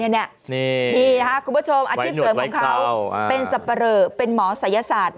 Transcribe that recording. นี่นะคะคุณผู้ชมอาชีพเสริมของเขาเป็นสับปะเหลอเป็นหมอศัยศาสตร์